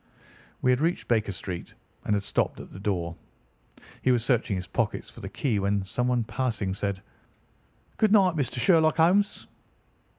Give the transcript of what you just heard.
We had reached Baker Street and had stopped at the door. He was searching his pockets for the key when someone passing said: "Good night, Mister Sherlock Holmes."